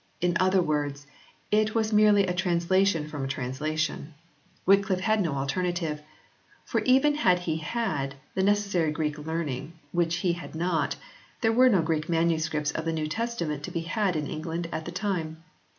In other words it was merely a translation from a translation. Wycliffe had no alternative, for even if he had had 32 36 HISTORY OF THE ENGLISH BIBLE [CH. the necessary Greek learning, which he had not, there were no Greek manuscripts of the New Testament to be had in England at the time.